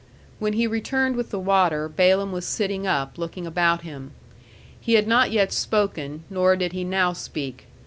When he returned with the water, Balsam was sitting up, looking about him. He had not yet spoken, nor did he now speak.